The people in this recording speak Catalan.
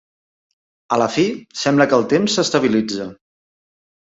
A la fi, sembla que el temps s'estabilitza.